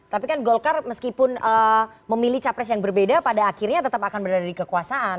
tapi kan golkar meskipun memilih capres yang berbeda pada akhirnya tetap akan berada di kekuasaan